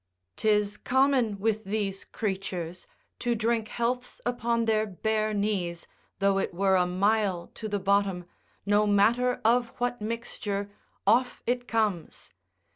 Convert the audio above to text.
'Tis common with these creatures, to drink healths upon their bare knees, though it were a mile to the bottom, no matter of what mixture, off it comes.